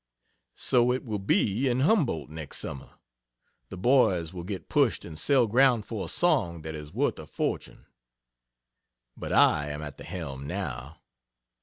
So it will be in Humboldt next summer. The boys will get pushed and sell ground for a song that is worth a fortune. But I am at the helm, now.